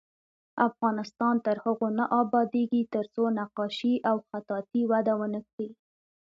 افغانستان تر هغو نه ابادیږي، ترڅو نقاشي او خطاطي وده ونه کړي.